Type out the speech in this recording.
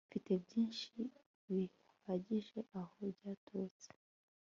Mfite byinshi bihagije aho byaturutse